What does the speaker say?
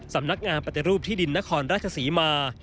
สำนักงานปฏิรูปที่ดินนครราชศรีมา